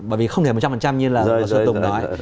bởi vì không thể một trăm linh như là sư tùng nói